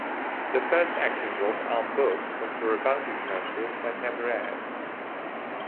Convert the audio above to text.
The first acting job Arm booked was for a Bounty commercial that never aired.